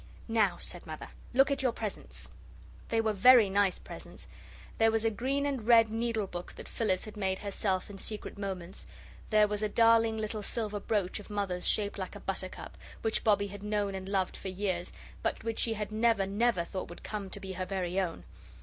"Now," said Mother, "look at your presents." They were very nice presents. There was a green and red needle book that Phyllis had made herself in secret moments. There was a darling little silver brooch of Mother's shaped like a buttercup, which Bobbie had known and loved for years, but which she had never, never thought would come to be her very own.